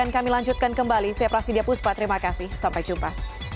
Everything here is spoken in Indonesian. kami lanjutkan kembali saya prasidya puspa terima kasih sampai jumpa